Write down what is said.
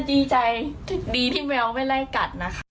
ดีใจดีที่แมวไม่ไล่กัดนะคะ